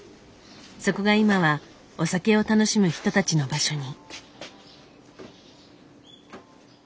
そこが今はお酒を楽しむ人たちの場所に。